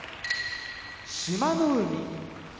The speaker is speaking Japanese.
志摩ノ海